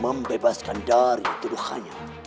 membebaskan dari tuduhannya